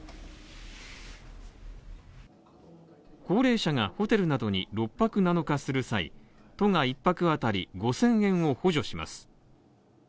高齢者がホテルなどに６泊７日する際、都が１泊あたり５０００円を補助します。